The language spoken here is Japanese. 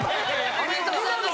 ありがとうございます。